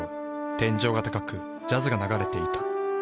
天井が高くジャズが流れていた。